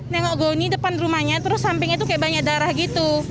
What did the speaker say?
nengok go ini depan rumahnya terus samping itu kayak banyak darah gitu